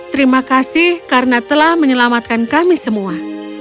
terima kasih karena telah menyelamatkan kami semua